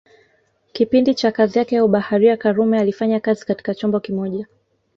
Kipindi cha kazi yake ya ubaharia karume alifanya kazi katika chombo kimoja